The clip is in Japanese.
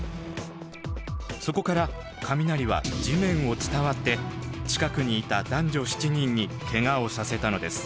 そこから雷は地面を伝わって近くにいた男女７人にケガをさせたのです。